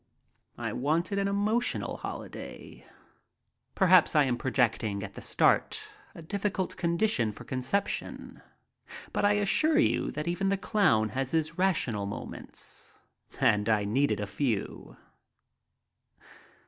I wanted an emotional holiday. Perhaps I am projecting at the start a difficult condition for conception, but I assure you that even the clown has his rational moments and I needed a few.